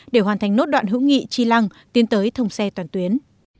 để hoàn thành nốt đoạn hữu nghị chi lăng tiến tới thông xe toàn tuyến